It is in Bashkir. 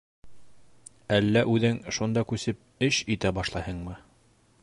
— Әллә үҙең шунда күсеп эш итә башлайһыңмы?